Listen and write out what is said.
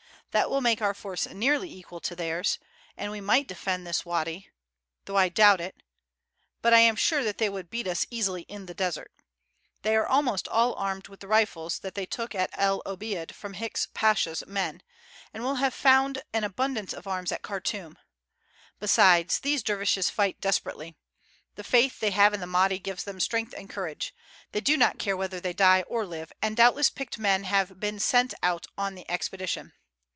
That will make our force nearly equal to theirs, and we might defend this wady, though I doubt it, but I am sure that they would beat us easily in the desert. They are almost all armed with the rifles that they took at El Obeid from Hicks Pasha's men, and will have found an abundance of arms at Khartoum; besides, these dervishes fight desperately. The faith they have in the Mahdi gives them strength and courage; they do not care whether they die or live, and doubtless picked men have been sent on the expedition.